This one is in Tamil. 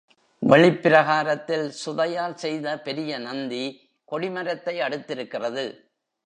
வெளிப்பிரகாரத்தில் சுதையால் செய்த பெரிய நந்தி கொடிமரத்தை அடுத்திருக்கிறது.